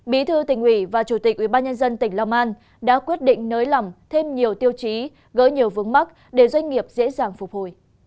bí thư tỉnh ủy và chủ tịch ubnd tỉnh long an đã quyết định nới lỏng thêm nhiều tiêu chí gỡ nhiều vướng mắt để doanh nghiệp dễ dàng phục hồi